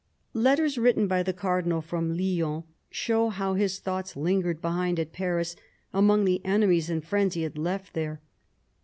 Letters written by the Cardinal from Lyons show how his thoughts lingered behind at Paris, among the enemies and friends he had left there.